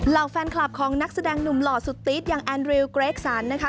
เหล่าแฟนคลับของนักแสดงหนุ่มหล่อสุดติ๊ดอย่างแอนริวเกรกสันนะคะ